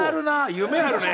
夢あるね！